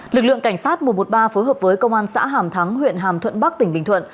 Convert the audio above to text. lực lượng cảnh sát một trăm một mươi ba phối hợp với công an xã hàm thắng huyện hàm thuận bắc tỉnh bình thuận